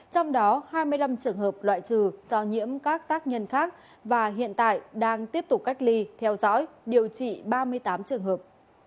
trong đó hai mươi năm trường hợp loại trừ do nhiễm các tác nhân khác và hiện tại đang tiếp tục cách ly theo dõi điều trị ba mươi tám trường hợp